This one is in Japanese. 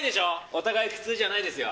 お互い、普通じゃないですよ。